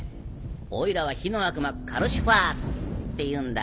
オイラは火の悪魔カルシファー！っていうんだ。